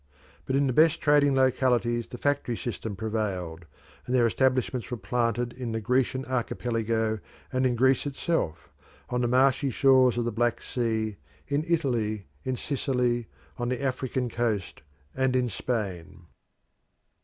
But in the best trading localities the factory system prevailed, and their establishments were planted in the Grecian Archipelago and in Greece itself, on the marshy shores of the Black Sea, in Italy, in Sicily, on the African coast and in Spain.